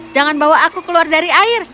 jangan bawa aku keluar dari air